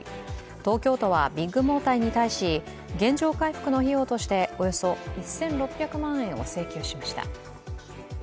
東京都はビッグモーターに対し原状回復の費用としておよそ１６００万円を請求しました。